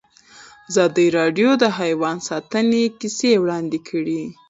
ازادي راډیو د حیوان ساتنه کیسې وړاندې کړي.